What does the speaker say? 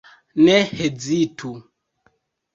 Ne hezitu!